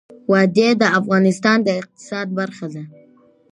وادي د افغانستان د اقتصاد برخه ده.